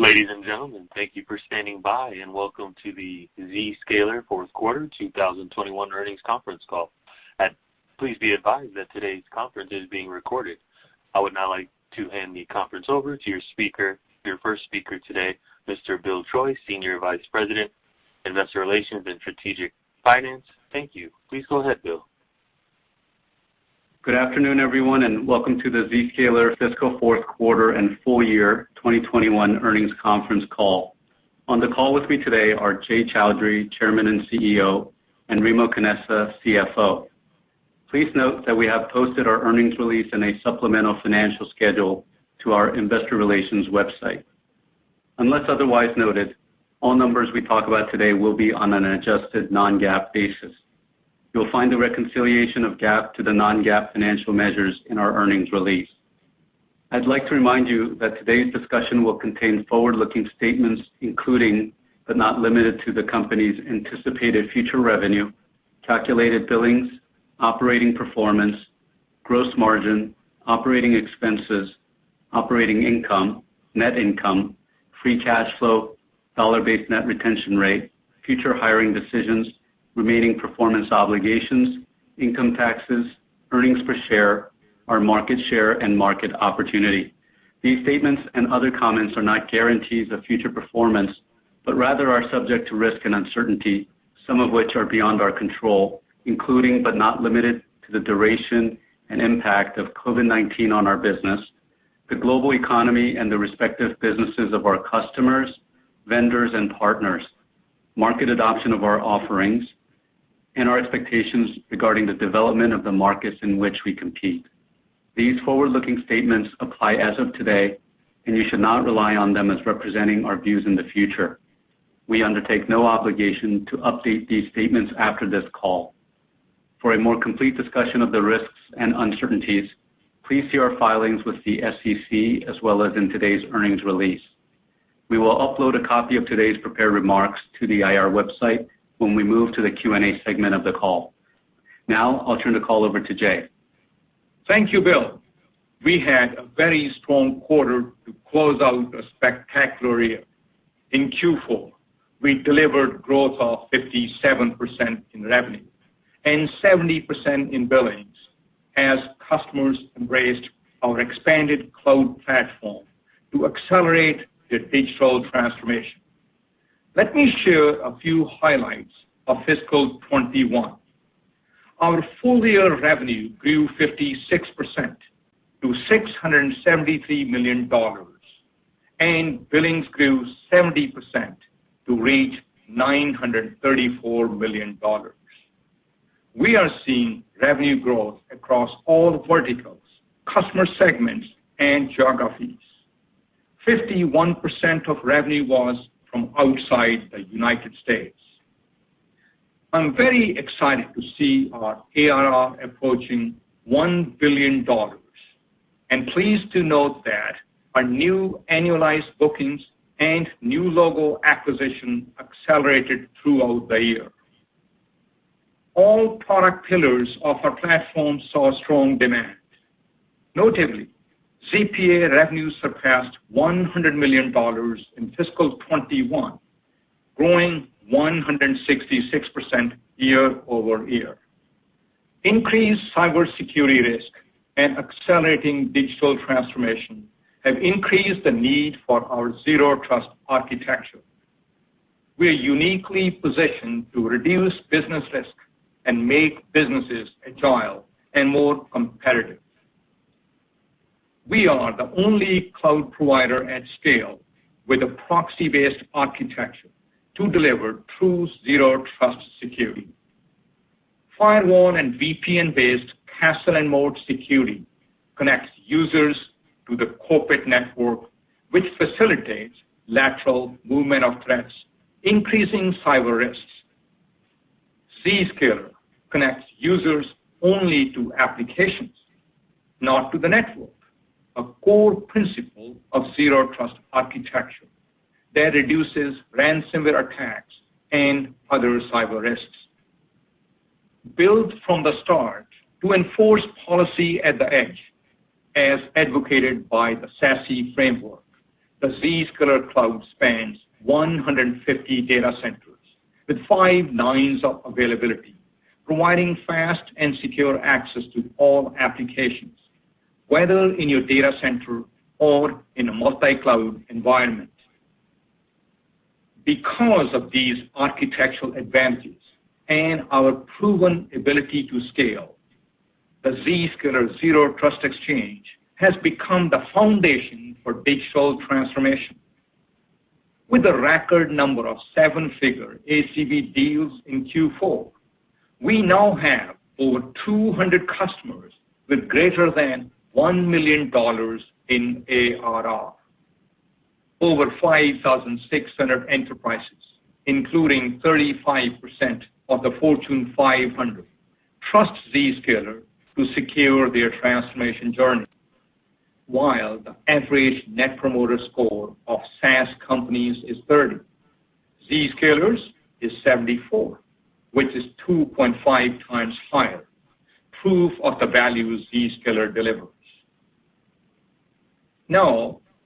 Ladies and gentlemen, thank you for standing by. Welcome to the Zscaler fourth quarter 2021 earnings conference call. Please be advised that today's conference is being recorded. I would now like to hand the conference over to your first speaker today, Mr. Bill Choi, Senior Vice President, Investor Relations and Strategic Finance. Thank you. Please go ahead, Bill. Good afternoon, everyone. Welcome to the Zscaler fiscal fourth quarter and full year 2021 earnings conference call. On the call with me today are Jay Chaudhry, Chairman and CEO, and Remo Canessa, CFO. Please note that we have posted our earnings release in a supplemental financial schedule to our investor relations website. Unless otherwise noted, all numbers we talk about today will be on an adjusted non-GAAP basis. You'll find the reconciliation of GAAP to the non-GAAP financial measures in our earnings release. I'd like to remind you that today's discussion will contain forward-looking statements, including, but not limited to, the company's anticipated future revenue, calculated billings, operating performance, gross margin, operating expenses, operating income, net income, free cash flow, dollar-based net retention rate, future hiring decisions, remaining performance obligations, income taxes, earnings per share, our market share, and market opportunity. These statements and other comments are not guarantees of future performance, but rather are subject to risk and uncertainty, some of which are beyond our control, including, but not limited to, the duration and impact of COVID-19 on our business, the global economy, and the respective businesses of our customers, vendors, and partners, market adoption of our offerings, and our expectations regarding the development of the markets in which we compete. These forward-looking statements apply as of today, and you should not rely on them as representing our views in the future. We undertake no obligation to update these statements after this call. For a more complete discussion of the risks and uncertainties, please see our filings with the SEC as well as in today's earnings release. We will upload a copy of today's prepared remarks to the IR website when we move to the Q&A segment of the call. Now, I'll turn the call over to Jay. Thank you, Bill. We had a very strong quarter to close out a spectacular year. In Q4, we delivered growth of 57% in revenue and 70% in billings as customers embraced our expanded cloud platform to accelerate their digital transformation. Let me share a few highlights of fiscal 2021. Our full-year revenue grew 56% to $673 million, and billings grew 70% to reach $934 million. We are seeing revenue growth across all verticals, customer segments, and geographies. 51% of revenue was from outside the United States. I'm very excited to see our ARR approaching $1 billion, and pleased to note that our new annualized bookings and new logo acquisition accelerated throughout the year. All product pillars of our platform saw strong demand. Notably, ZPA revenues surpassed $100 million in fiscal 2021, growing 166% year-over-year. Increased cybersecurity risk and accelerating digital transformation have increased the need for our zero trust architecture. We are uniquely positioned to reduce business risk and make businesses agile and more competitive. We are the only cloud provider at scale with a proxy-based architecture to deliver true zero trust security. Firewall and VPN-based castle-and-moat security connects users to the corporate network, which facilitates lateral movement of threats, increasing cyber risks. Zscaler connects users only to applications, not to the network, a core principle of zero trust architecture that reduces ransomware attacks and other cyber risks. Built from the start to enforce policy at the edge, as advocated by the SASE framework, the Zscaler cloud spans 150 data centers with five nines of availability, providing fast and secure access to all applications, whether in your data center or in a multi-cloud environment. Because of these architectural advantages and our proven ability to scale, the Zscaler Zero Trust Exchange has become the foundation for digital transformation. With a record number of seven figure ACV deals in Q4, we now have over 200 customers with greater than $1 million in ARR. Over 5,600 enterprises, including 35% of the Fortune 500, trust Zscaler to secure their transformation journey. While the average Net Promoter Score of SaaS companies is 30, Zscaler's is 74, which is 2.5 times higher, proof of the value Zscaler delivers.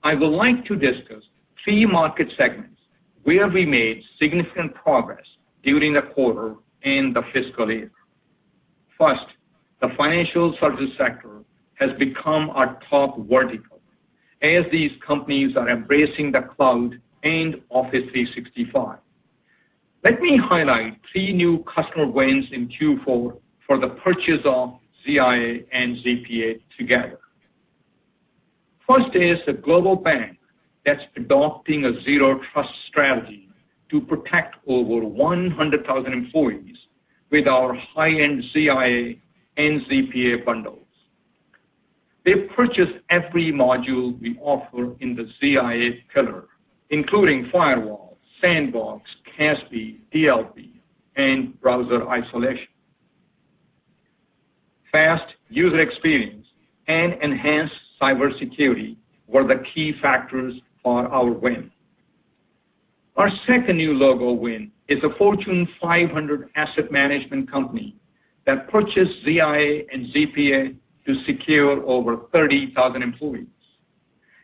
I would like to discuss three market segments where we made significant progress during the quarter and the fiscal year. First, the financial service sector has become our top vertical as these companies are embracing the cloud and Microsoft 365. Let me highlight three new customer wins in Q4 for the purchase of ZIA and ZPA together. First is a global bank that's adopting a zero trust strategy to protect over 100,000 employees with our high-end ZIA and ZPA bundles. They purchased every module we offer in the ZIA pillar, including firewall, sandbox, CASB, DLP, and browser isolation. Fast user experience and enhanced cybersecurity were the key factors for our win. Our second new logo win is a Fortune 500 asset management company that purchased ZIA and ZPA to secure over 30,000 employees,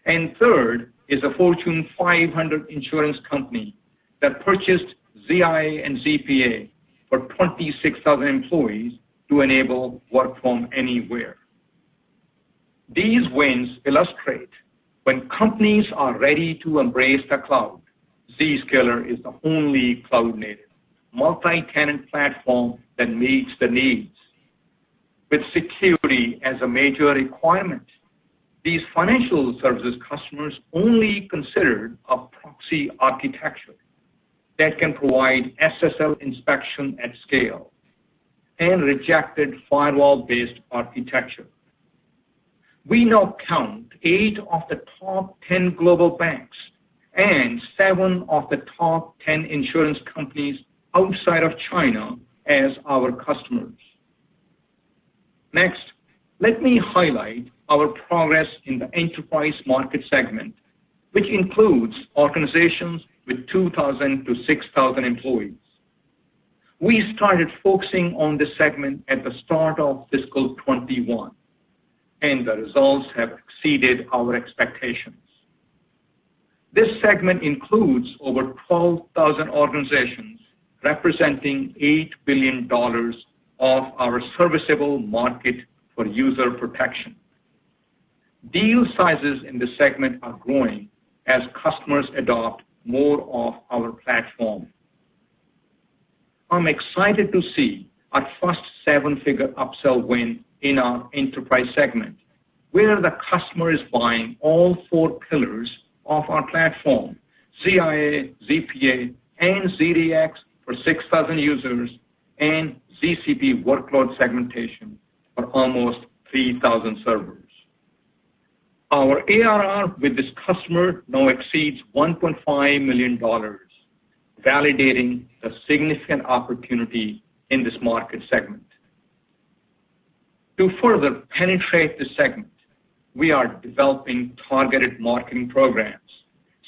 and third is a Fortune 500 insurance company that purchased ZIA and ZPA for 26,000 employees to enable work from anywhere. These wins illustrate when companies are ready to embrace the cloud, Zscaler is the only cloud-native, multi-tenant platform that meets their needs. With security as a major requirement, these financial services customers only considered a proxy architecture that can provide SSL inspection at scale and rejected firewall-based architecture. We now count eight of the top 10 global banks and seven of the top 10 insurance companies outside of China as our customers. Next, let me highlight our progress in the enterprise market segment, which includes organizations with 2,000 to 6,000 employees. We started focusing on this segment at the start of fiscal 2021, the results have exceeded our expectations. This segment includes over 12,000 organizations, representing $8 billion of our serviceable market for user protection. Deal sizes in this segment are growing as customers adopt more of our platform. I'm excited to see our first seven figure upsell win in our enterprise segment, where the customer is buying all four pillars of our platform, ZIA, ZPA, and ZDX for 6,000 users and ZCP Workload Segmentation for almost 3,000 servers. Our ARR with this customer now exceeds $1.5 million, validating the significant opportunity in this market segment. To further penetrate this segment, we are developing targeted marketing programs,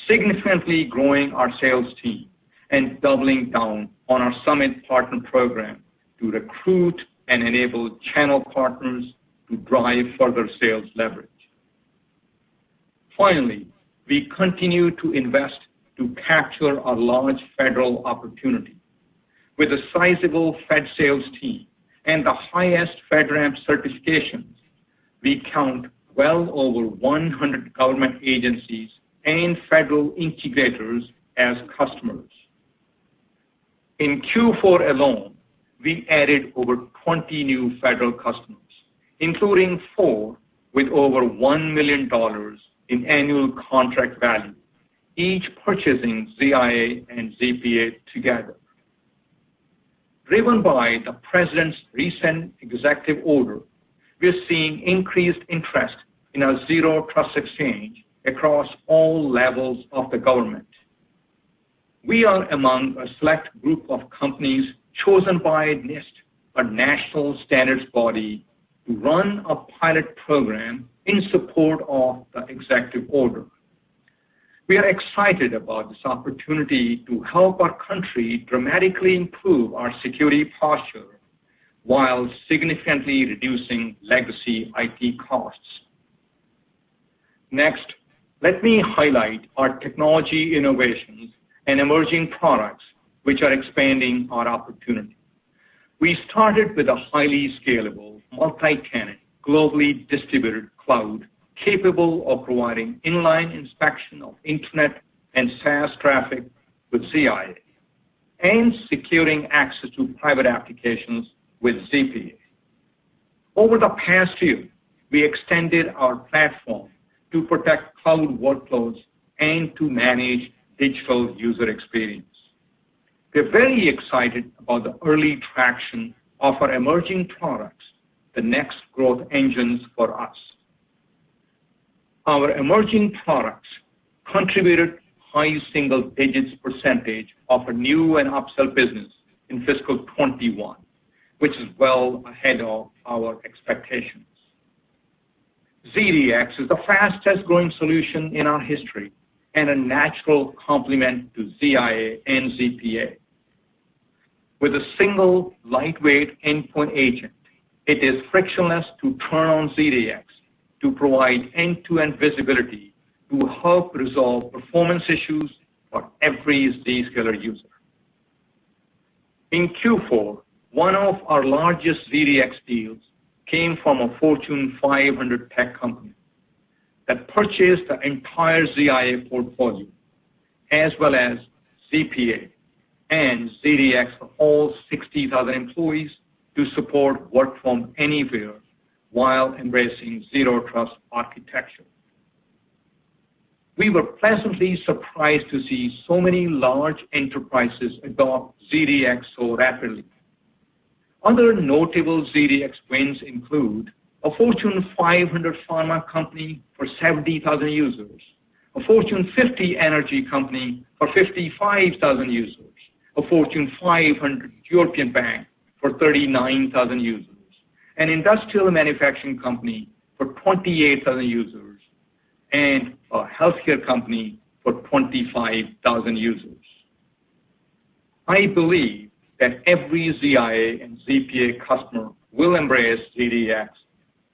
significantly growing our sales team, and doubling down on our Zscaler Summit Partner Program to recruit and enable channel partners to drive further sales leverage. Finally, we continue to invest to capture a large federal opportunity. With a sizable fed sales team and the highest FedRAMP certifications, we count well over 100 government agencies and federal integrators as customers. In Q4 alone, we added over 20 new federal customers, including four with over $1 million in annual contract value, each purchasing ZIA and ZPA together. Driven by the President's recent executive order, we are seeing increased interest in our Zscaler Zero Trust Exchange across all levels of the government. We are among a select group of companies chosen by NIST, a national standards body, to run a pilot program in support of the executive order. We are excited about this opportunity to help our country dramatically improve our security posture while significantly reducing legacy IT costs. Next, let me highlight our technology innovations and emerging products, which are expanding our opportunity. We started with a highly scalable, multi-tenant, globally distributed cloud capable of providing inline inspection of internet and SaaS traffic with ZIA and securing access to private applications with ZPA. Over the past year, we extended our platform to protect cloud workloads and to manage digital user experience. We're very excited about the early traction of our emerging products, the next growth engines for us. Our emerging products contributed high single digits percentage of our new and upsell business in fiscal 2021, which is well ahead of our expectation. ZDX is the fastest-growing solution in our history and a natural complement to ZIA and ZPA. With a single lightweight endpoint agent, it is frictionless to turn on ZDX to provide end-to-end visibility to help resolve performance issues for every Zscaler user. In Q4, one of our largest ZDX deals came from a Fortune 500 tech company that purchased the entire ZIA portfolio, as well as ZPA and ZDX for all 60,000 employees to support work from anywhere while embracing zero trust architecture. We were pleasantly surprised to see so many large enterprises adopt ZDX so rapidly. Other notable ZDX wins include a Fortune 500 pharma company for 70,000 users, a Fortune 50 energy company for 55,000 users, a Fortune 500 European bank for 39,000 users, an industrial manufacturing company for 28,000 users, and a healthcare company for 25,000 users. I believe that every ZIA and ZPA customer will embrace ZDX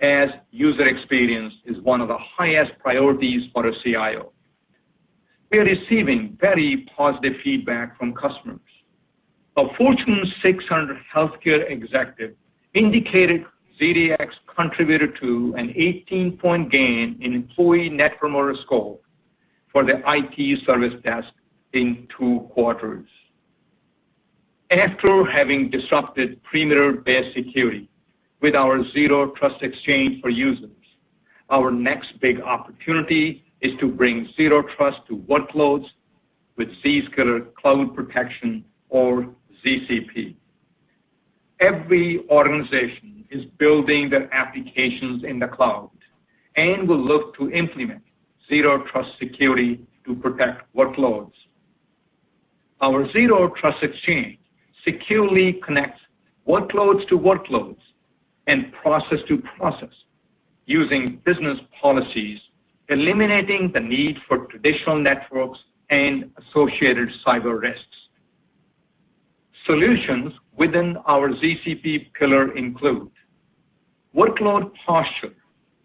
as user experience is one of the highest priorities for a CIO. We are receiving very positive feedback from customers. A Fortune 600 healthcare executive indicated ZDX contributed to an 18-point gain in employee Net Promoter Score for the IT service desk in two quarters. After having disrupted perimeter-based security with our Zero Trust Exchange for users, our next big opportunity is to bring zero trust to workloads with Zscaler Cloud Protection, or ZCP. Every organization is building their applications in the cloud and will look to implement zero trust security to protect workloads. Our Zero Trust Exchange securely connects workloads to workloads and process to process using business policies, eliminating the need for traditional networks and associated cyber risks. Solutions within our ZCP pillar include Workload Posture,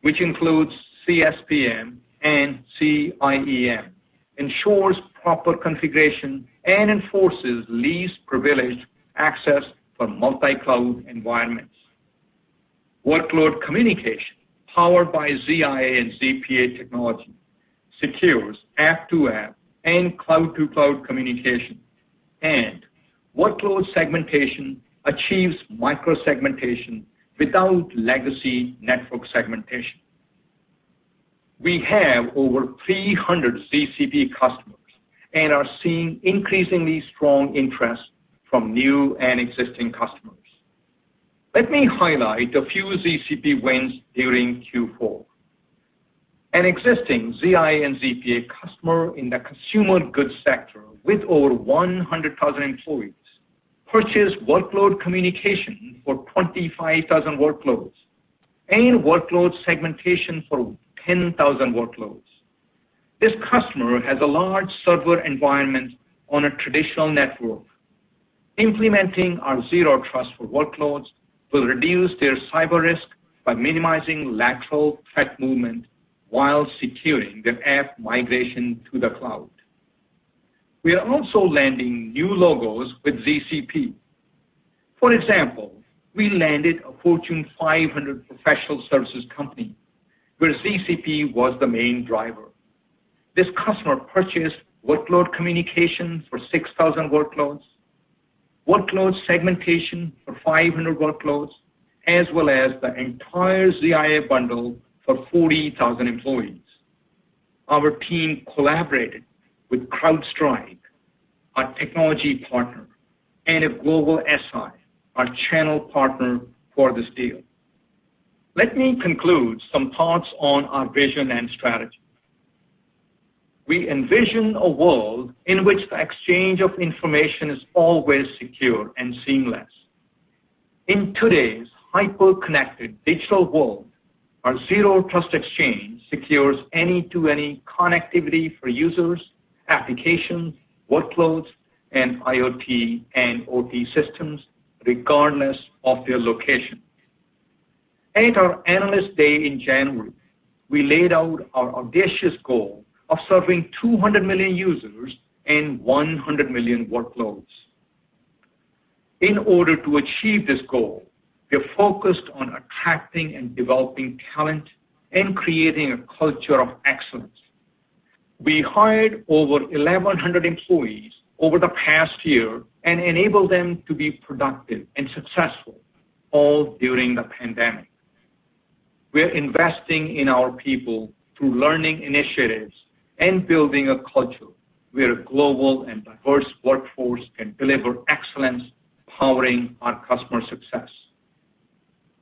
which includes CSPM and CIEM, ensures proper configuration, and enforces least privileged access for multi-cloud environments. Workload Communication, powered by ZIA and ZPA technology, secures app-to-app and cloud-to-cloud communication, and Workload Segmentation achieves micro-segmentation without legacy network segmentation. We have over 300 ZCP customers and are seeing increasingly strong interest from new and existing customers. Let me highlight a few ZCP wins during Q4. An existing ZIA and ZPA customer in the consumer goods sector with over 100,000 employees purchased Workload Communication for 25,000 workloads and Workload Segmentation for 10,000 workloads. This customer has a large server environment on a traditional network. Implementing our zero trust for workloads will reduce their cyber risk by minimizing lateral threat movement while securing their app migration to the cloud. We are also landing new logos with ZCP. For example, we landed a Fortune 500 professional services company where ZCP was the main driver. This customer purchased Workload Communications for 6,000 workloads, Workload Segmentation for 500 workloads, as well as the entire ZIA bundle for 40,000 employees. Our team collaborated with CrowdStrike, our technology partner, and with Global SI, our channel partner, for this deal. Let me conclude some thoughts on our vision and strategy. We envision a world in which the exchange of information is always secure and seamless. In today's hyper-connected digital world, our Zero Trust Exchange secures any-to-any connectivity for users, applications, workloads, and IoT and OT systems, regardless of their location. At our Analyst Day in January, we laid out our audacious goal of serving 200 million users and 100 million workloads. In order to achieve this goal, we are focused on attracting and developing talent and creating a culture of excellence. We hired over 1,100 employees over the past year and enabled them to be productive and successful, all during the pandemic. We are investing in our people through learning initiatives and building a culture where a global and diverse workforce can deliver excellence, powering our customer success.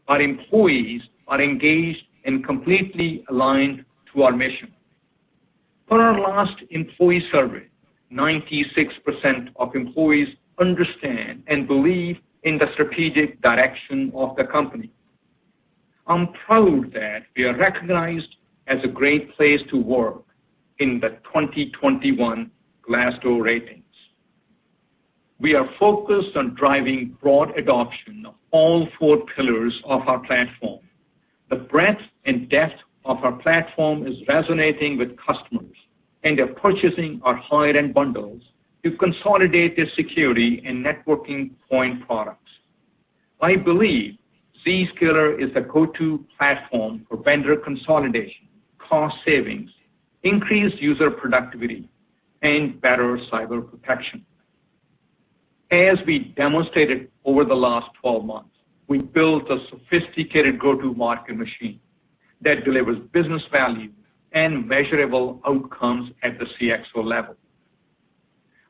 Our employees are engaged and completely aligned to our mission. Per our last employee survey, 96% of employees understand and believe in the strategic direction of the company. I'm proud that we are recognized as a great place to work in the 2021 Glassdoor ratings. We are focused on driving broad adoption of all four pillars of our platform. The breadth and depth of our platform is resonating with customers, and they're purchasing our higher-end bundles to consolidate their security and networking point products. I believe Zscaler is a go-to platform for vendor consolidation, cost savings, increased user productivity, and better cyber protection. As we demonstrated over the last 12 months, we built a sophisticated go-to-market machine that delivers business value and measurable outcomes at the CXO level.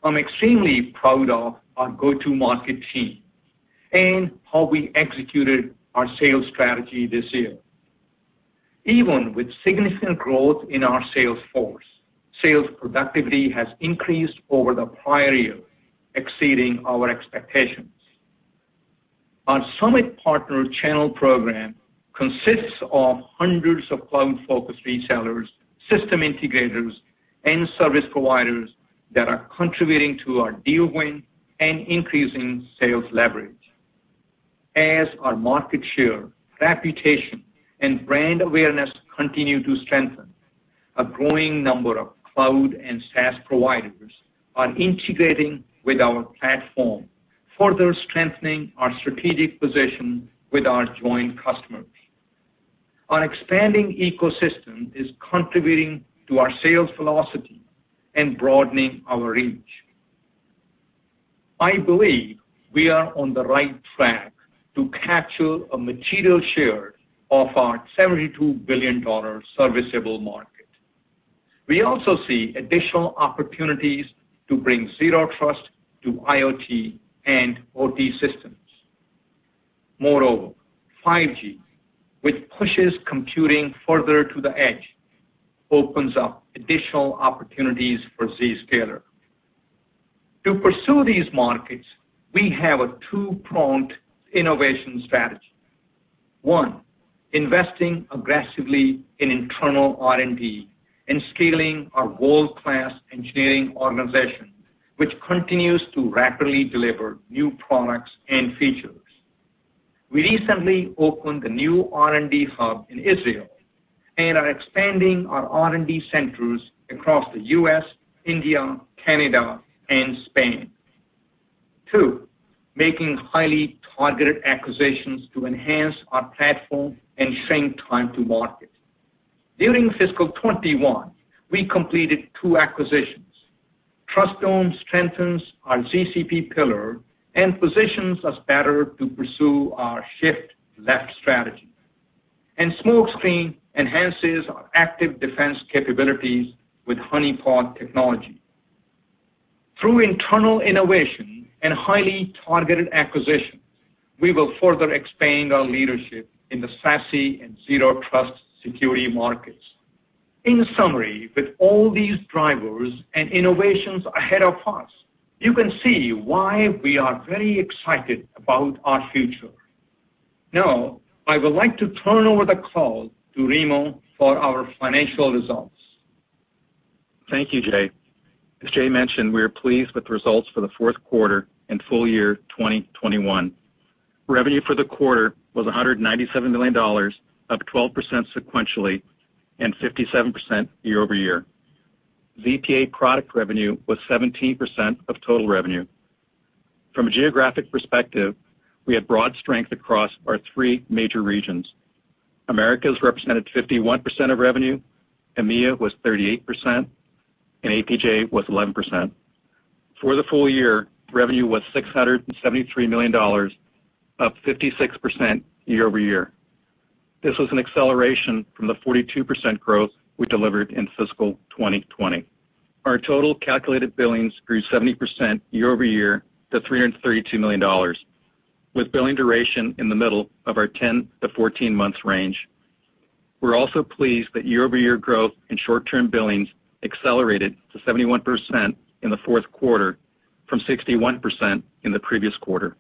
I'm extremely proud of our go-to-market team and how we executed our sales strategy this year. Even with significant growth in our sales force, sales productivity has increased over the prior year, exceeding our expectations. Our Summit Partner Program consists of hundreds of cloud-focused resellers, system integrators, and service providers that are contributing to our deal win and increasing sales leverage. As our market share, reputation, and brand awareness continue to strengthen, a growing number of cloud and SaaS providers are integrating with our platform, further strengthening our strategic position with our joint customers. Our expanding ecosystem is contributing to our sales velocity and broadening our reach. I believe we are on the right track to capture a material share of our $72 billion serviceable market. We also see additional opportunities to bring zero trust to IoT and OT systems. Moreover, 5G, which pushes computing further to the edge, opens up additional opportunities for Zscaler. To pursue these markets, we have a two-pronged innovation strategy. One, investing aggressively in internal R&D and scaling our world-class engineering organization, which continues to rapidly deliver new products and features. We recently opened a new R&D hub in Israel and are expanding our R&D centers across the U.S., India, Canada, and Spain. Two, making highly targeted acquisitions to enhance our platform and shrink time to market. During fiscal 2021, we completed two acquisitions. Trustdome strengthens our ZCP pillar and positions us better to pursue our shift-left strategy. Smokescreen enhances our active defense capabilities with honeypot technology. Through internal innovation and highly targeted acquisitions, we will further expand our leadership in the SASE and zero trust security markets. In summary, with all these drivers and innovations ahead of us, you can see why we are very excited about our future. I would like to turn over the call to Remo for our financial results. Thank you, Jay. As Jay mentioned, we are pleased with the results for the fourth quarter and full year 2021. Revenue for the quarter was $197 million, up 12% sequentially and 57% year-over-year. ZPA product revenue was 17% of total revenue. From a geographic perspective, we had broad strength across our three major regions. Americas represented 51% of revenue, EMEA was 38%, and APJ was 11%. For the full year, revenue was $673 million, up 56% year-over-year. This was an acceleration from the 42% growth we delivered in fiscal 2020. Our total calculated billings grew 70% year-over-year to $332 million, with billing duration in the middle of our 10 to 14 months range. We're also pleased that year-over-year growth in short-term billings accelerated to 71% in the fourth quarter from 61% in the previous quarter.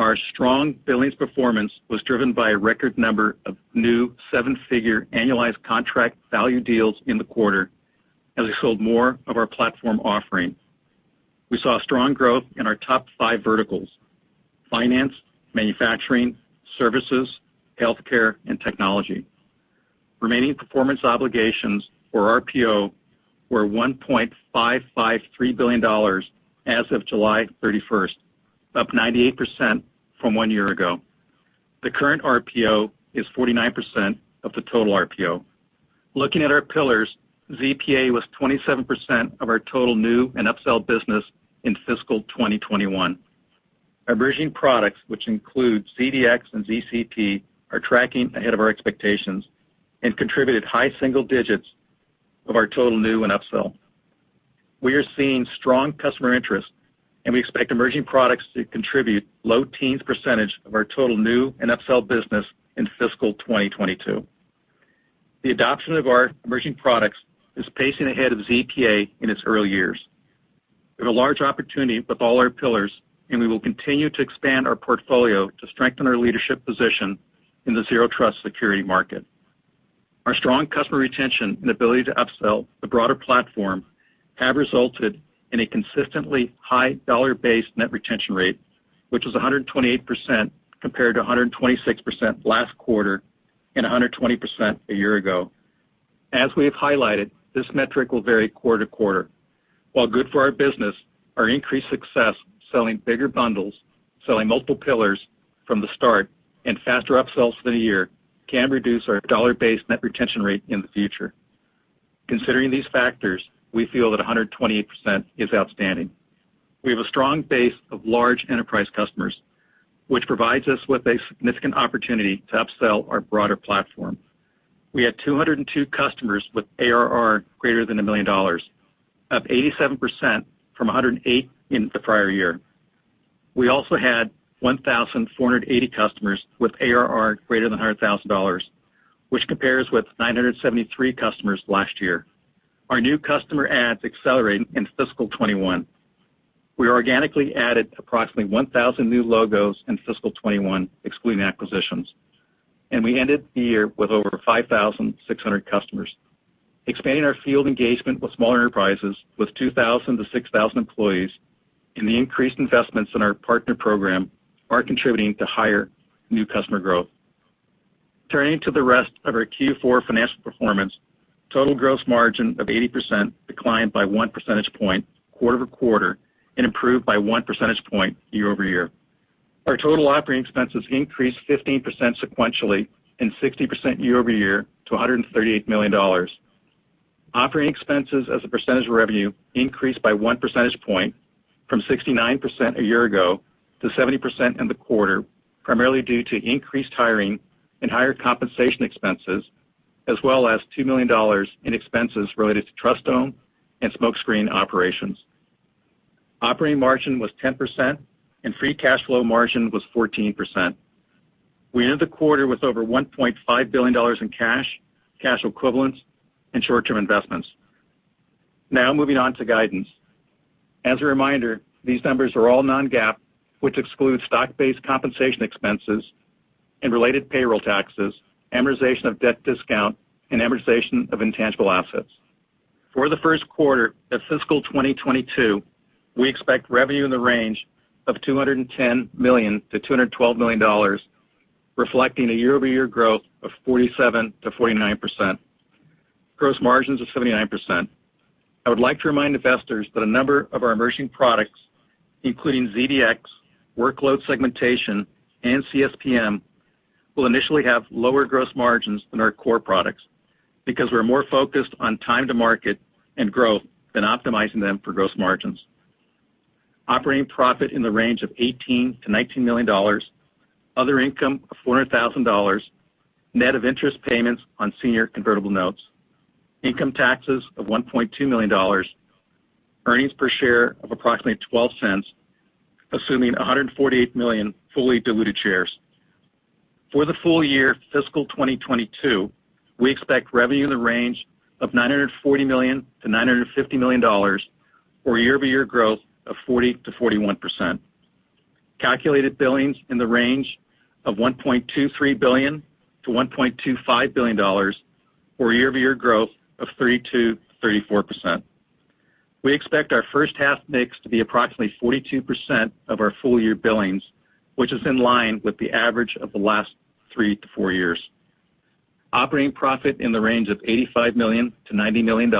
Our strong billings performance was driven by a record number of new seven figure annualized contract value deals in the quarter as we sold more of our platform offering. We saw strong growth in our top five verticals: finance, manufacturing, services, health care, and technology. Remaining performance obligations, or RPO, were $1.553 billion as of July 31st, up 98% from one year ago. The current RPO is 49% of the total RPO. Looking at our pillars, ZPA was 27% of our total new and upsell business in fiscal 2021. Our emerging products, which include ZDX and ZCP, are tracking ahead of our expectations and contributed high single digits of our total new and upsell. We are seeing strong customer interest, and we expect emerging products to contribute low teens percentage of our total new and upsell business in fiscal 2022. The adoption of our emerging products is pacing ahead of ZPA in its early years. We have a large opportunity with all our pillars, and we will continue to expand our portfolio to strengthen our leadership position in the zero trust security market. Our strong customer retention and ability to upsell the broader platform have resulted in a consistently high dollar-based net retention rate, which was 128% compared to 126% last quarter and 120% a year ago. As we have highlighted, this metric will vary quarter-to-quarter. While good for our business, our increased success selling bigger bundles, selling multiple pillars from the start, and faster upsells than a year can reduce our dollar-based net retention rate in the future. Considering these factors, we feel that 128% is outstanding. We have a strong base of large enterprise customers, which provides us with a significant opportunity to upsell our broader platform. We had 202 customers with ARR greater than $1 million, up 87% from 108 in the prior year. We also had 1,480 customers with ARR greater than $100,000, which compares with 973 customers last year. Our new customer adds accelerated in fiscal 2021. We organically added approximately 1,000 new logos in fiscal 2021, excluding acquisitions. We ended the year with over 5,600 customers. Expanding our field engagement with smaller enterprises with 2,000-6,000 employees and the increased investments in our partner program are contributing to higher new customer growth. Turning to the rest of our Q4 financial performance, total gross margin of 80% declined by 1 percentage point quarter-over-quarter and improved by 1 percentage point year-over-year. Our total operating expenses increased 15% sequentially and 60% year-over-year to $138 million. Operating expenses as a percentage of revenue increased by 1 percentage point from 69% a year ago to 70% in the quarter, primarily due to increased hiring and higher compensation expenses, as well as $2 million in expenses related to Trustdome and Smokescreen operations. Operating margin was 10%, and free cash flow margin was 14%. We ended the quarter with over $1.5 billion in cash equivalents, and short-term investments. Now moving on to guidance. As a reminder, these numbers are all non-GAAP, which excludes stock-based compensation expenses and related payroll taxes, amortization of debt discount, and amortization of intangible assets. For the first quarter of fiscal 2022, we expect revenue in the range of $210 million-$212 million, reflecting a year-over-year growth of 47%-49%. Gross margins of 79%. I would like to remind investors that a number of our emerging products, including ZDX, workload segmentation, and CSPM, will initially have lower gross margins than our core products because we're more focused on time to market and growth than optimizing them for gross margins. Operating profit in the range of $18 million-$19 million. Other income of $400,000, net of interest payments on senior convertible notes. Income taxes of $1.2 million. Earnings per share of approximately $0.12, assuming 148 million fully diluted shares. For the full year fiscal 2022, we expect revenue in the range of $940 million-$950 million, or year-over-year growth of 40%-41%. Calculated billings in the range of $1.23 billion-$1.25 billion, or year-over-year growth of 32%-34%. We expect our first half mix to be approximately 42% of our full year billings, which is in line with the average of the last three to four years. Operating profit in the range of $85 million-$90 million.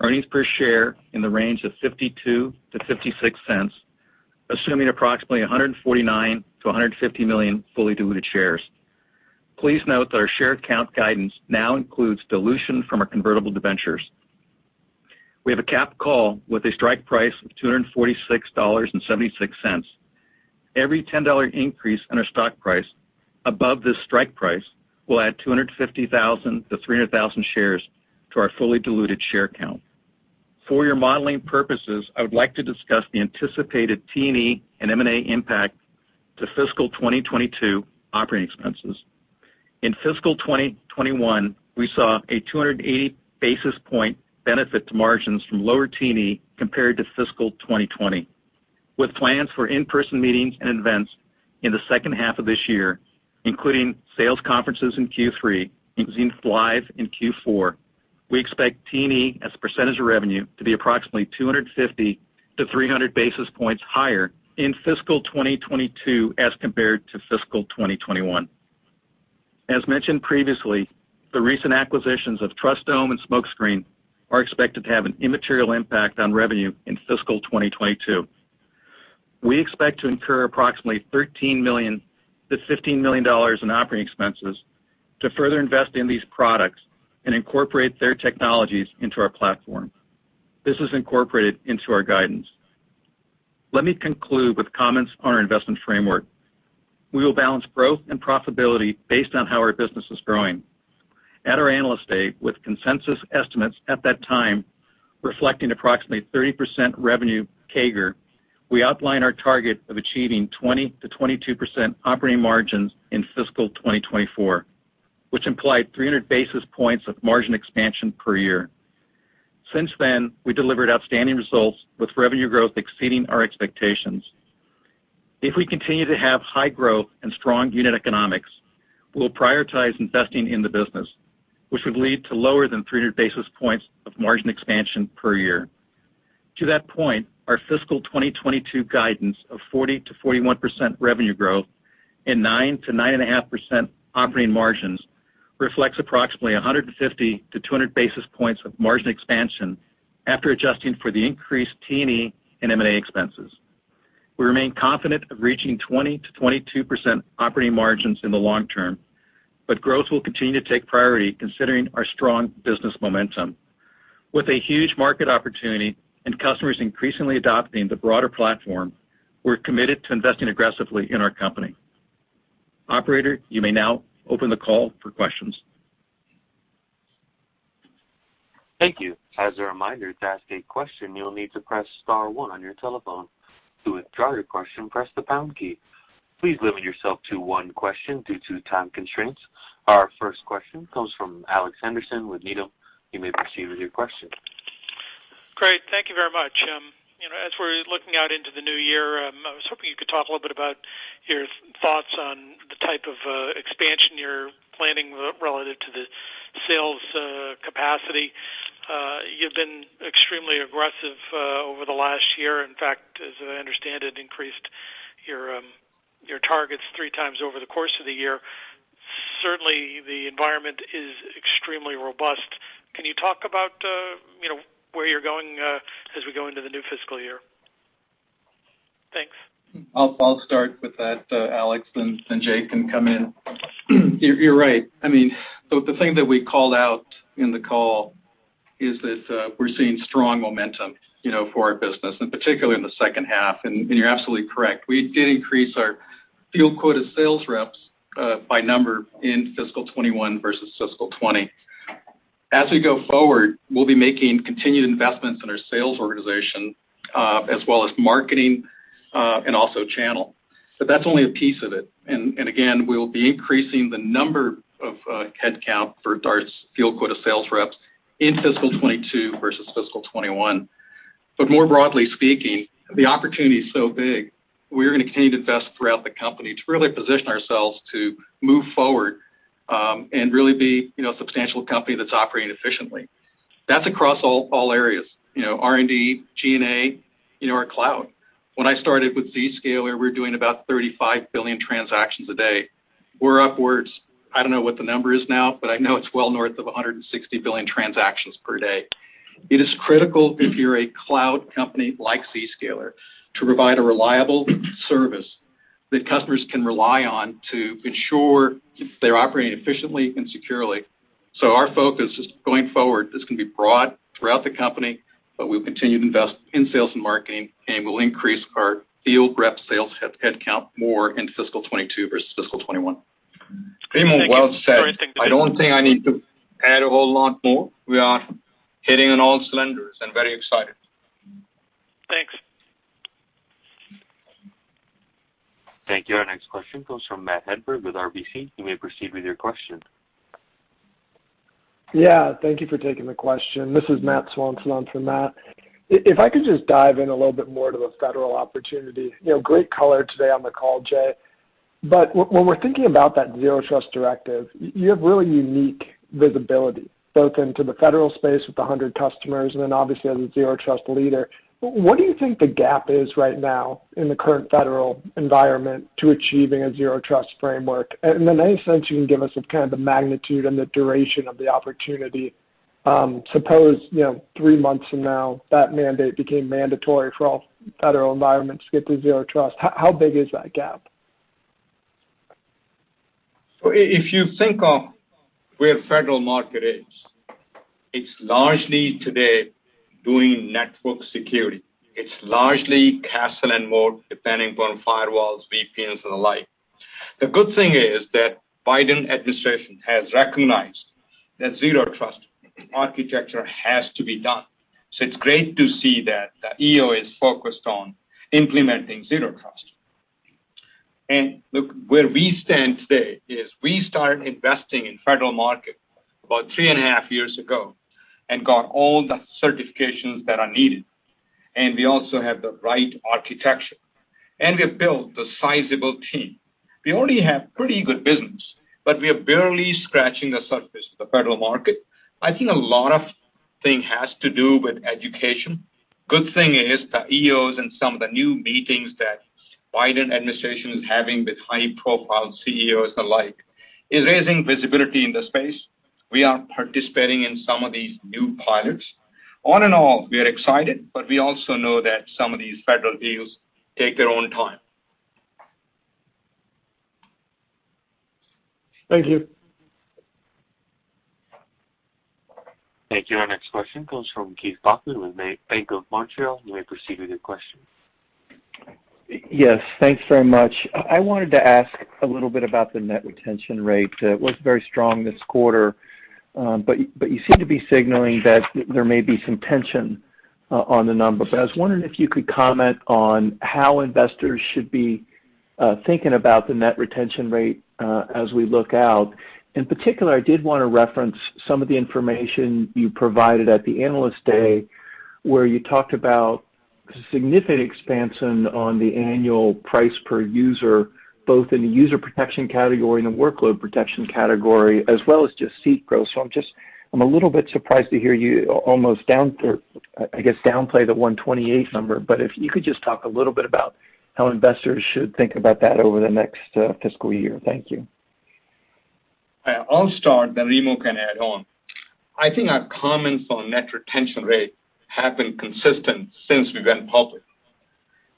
Earnings per share in the range of $0.52-$0.56, assuming approximately 149 million-150 million fully diluted shares. Please note that our share count guidance now includes dilution from our convertible debentures. We have a capped call with a strike price of $246.76. Every $10 increase in our stock price above this strike price will add 250,000-300,000 shares to our fully diluted share count. For your modeling purposes, I would like to discuss the anticipated T&E and M&A impact to fiscal 2022 operating expenses. In fiscal 2021, we saw a 280 basis point benefit to margins from lower T&E compared to fiscal 2020. With plans for in-person meetings and events in the second half of this year, including sales conferences in Q3 and Zenith Live in Q4, we expect T&E as a percentage of revenue to be approximately 250-300 basis points higher in fiscal 2022 as compared to fiscal 2021. As mentioned previously, the recent acquisitions of Trustdome and Smokescreen are expected to have an immaterial impact on revenue in fiscal 2022. We expect to incur approximately $13 million-$15 million in operating expenses to further invest in these products and incorporate their technologies into our platform. This is incorporated into our guidance. Let me conclude with comments on our investment framework. We will balance growth and profitability based on how our business is growing. At our Analyst Day, with consensus estimates at that time reflecting approximately 30% revenue CAGR, we outlined our target of achieving 20%-22% operating margins in fiscal 2024, which implied 300 basis points of margin expansion per year. Since then, we delivered outstanding results, with revenue growth exceeding our expectations. If we continue to have high growth and strong unit economics, we'll prioritize investing in the business, which would lead to lower than 300 basis points of margin expansion per year. To that point, our fiscal 2022 guidance of 40%-41% revenue growth and 9%-9.5% operating margins reflects approximately 150 to 200 basis points of margin expansion after adjusting for the increased T&E and M&A expenses. We remain confident of reaching 20%-22% operating margins in the long term, growth will continue to take priority considering our strong business momentum. With a huge market opportunity and customers increasingly adopting the broader platform, we're committed to investing aggressively in our company. Operator, you may now open the call for questions. Thank you. As a reminder, to ask a question, you'll need to press star one on your telephone. To withdraw your question, press the pound key. Please limit yourself to one question due to time constraints. Our first question comes from Alex Henderson with Needham. You may proceed with your question. Great. Thank you very much. As we're looking out into the new year, I was hoping you could talk a little bit about your thoughts on the type of expansion you're planning relative to the sales capacity. You've been extremely aggressive over the last year. In fact, as I understand it, increased your targets three times over the course of the year. Certainly, the environment is extremely robust. Can you talk about where you're going as we go into the new fiscal year? Thanks. I'll start with that, Alex, and Jay can come in. You're right. The thing that we called out in the call is that we're seeing strong momentum for our business, particularly in the second half, you're absolutely correct. We did increase our field quota sales reps by number in fiscal 2021 versus fiscal 2020. As we go forward, we'll be making continued investments in our sales organization, as well as marketing, also channel. That's only a piece of it. Again, we'll be increasing the number of headcount for DART's field quota sales reps in fiscal 2022 versus fiscal 2021. More broadly speaking, the opportunity is so big, we're going to continue to invest throughout the company to really position ourselves to move forward and really be a substantial company that's operating efficiently. That's across all areas, R&D, G&A, our cloud. When I started with Zscaler, we were doing about 35 billion transactions a day. We're upwards, I don't know what the number is now, but I know it's well north of 160 billion transactions per day. It is critical if you're a cloud company like Zscaler to provide a reliable service that customers can rely on to ensure they're operating efficiently and securely. Our focus is going forward. This can be broad throughout the company, but we'll continue to invest in sales and marketing, and we'll increase our field rep sales headcount more in fiscal 2022 versus fiscal 2021. Thank you. Well said. I don't think I need to add a whole lot more. We are hitting on all cylinders and very excited. Thanks. Thank you. Our next question comes from Matt Hedberg with RBC. You may proceed with your question. Thank you for taking the question. This is Matt Swanson on for Matt. If I could just dive in a little bit more to the federal opportunity. Great color today on the call, Jay. When we're thinking about that zero trust directive, you have really unique visibility, both into the federal space with 100 customers and then obviously as a zero trust leader. What do you think the gap is right now in the current federal environment to achieving a zero trust framework? In any sense, you can give us the magnitude and the duration of the opportunity. Suppose three months from now, that mandate became mandatory for all federal environments to get to zero trust. How big is that gap? If you think of where federal market is, it's largely today doing network security. It's largely castle and moat, depending upon firewalls, VPNs, and the like. The good thing is that Biden administration has recognized that zero trust architecture has to be done. It's great to see that the EO is focused on implementing zero trust. Look, where we stand today is we started investing in federal market about three and a half years ago and got all the certifications that are needed. We also have the right architecture, and we've built the sizable team. We already have pretty good business, but we are barely scratching the surface of the federal market. I think a lot of thing has to do with education. Good thing is the EOs and some of the new meetings that Biden administration is having with high-profile CEOs alike is raising visibility in the space. We are participating in some of these new pilots. On and off, we are excited, but we also know that some of these federal deals take their own time. Thank you. Thank you. Our next question comes from Keith Bachman with Bank of Montreal. You may proceed with your question. Yes, thanks very much. I wanted to ask a little bit about the net retention rate. It was very strong this quarter. You seem to be signaling that there may be some tension on the number. I was wondering if you could comment on how investors should be thinking about the net retention rate as we look out. In particular, I did want to reference some of the information you provided at the Analyst Day, where you talked about significant expansion on the annual price per user, both in the user protection category and the workload protection category, as well as just seat growth. I'm a little bit surprised to hear you almost, I guess, downplay the 128 number. If you could just talk a little bit about how investors should think about that over the next fiscal year. Thank you. I'll start, then Remo can add on. I think our comments on net retention rate have been consistent since we went public.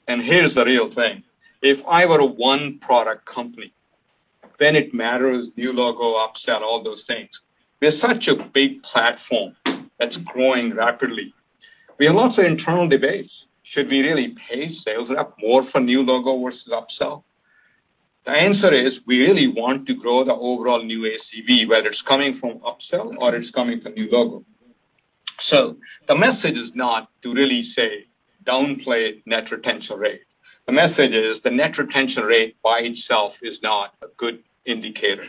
Here's the real thing. If I were a one-product company, then it matters, new logo, upsell, all those things. We are such a big platform that's growing rapidly. We have lots of internal debates. Should we really pay sales rep more for new logo versus upsell? The answer is we really want to grow the overall new ACV, whether it's coming from upsell or it's coming from new logo. The message is not to really say downplay net retention rate. The message is the net retention rate by itself is not a good indicator.